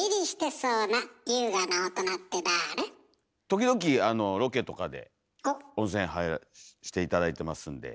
時々ロケとかで温泉入らして頂いてますんで。